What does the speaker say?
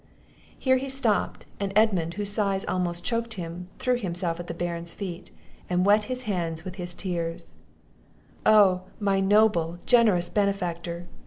Here he stopped; and Edmund, whose sighs almost choked him, threw himself at the Baron's feet, and wet his hand with his tears: "Oh, my noble, generous benefactor!